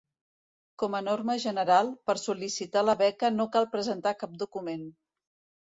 Com a norma general, per sol·licitar la beca no cal presentar cap document.